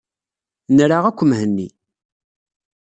Nra akk Mhenni.